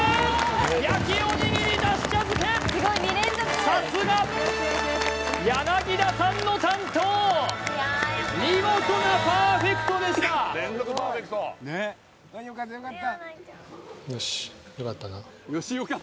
焼きおにぎりだし茶漬けさすが！田さんの担当見事なパーフェクトでしたよしよかったな